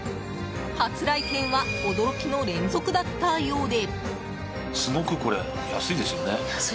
初来店は驚きの連続だったようで。